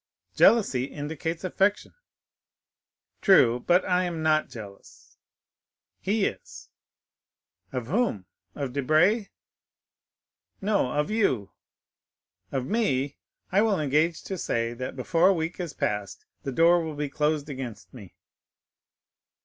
"Jealousy indicates affection." "True; but I am not jealous." "He is." "Of whom?—of Debray?" "No, of you." "Of me? I will engage to say that before a week is past the door will be closed against me."